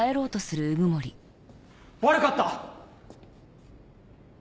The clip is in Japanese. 悪かった！